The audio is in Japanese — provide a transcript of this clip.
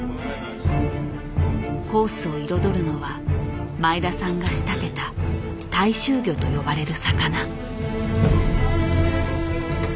コースを彩るのは前田さんが仕立てた大衆魚と呼ばれる魚。